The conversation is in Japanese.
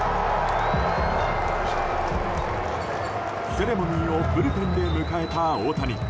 セレモニーをブルペンで迎えた大谷。